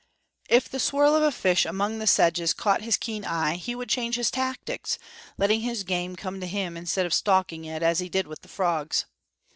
If the swirl of a fish among the sedges caught his keen eye, he would change his tactics, letting his game come to him instead of stalking it, as he did with the frogs.